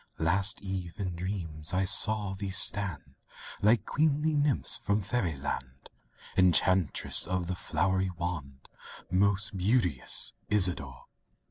Last eve in dreams, I saw thee stand, Like queenly nymphs from Fairy land— Enchantress of the flowery wand, Most beauteous Isadore!